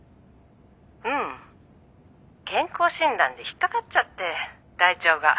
うん健康診断で引っ掛かっちゃって大腸が。